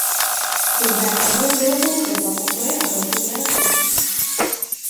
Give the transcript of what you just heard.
Druhé patro mělo pouze dva pokoje a velkou terasu.